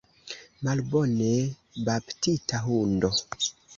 Malbone baptita hundo!